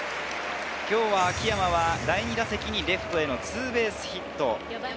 今日、秋山は第２打席にレフトへのツーベースヒット。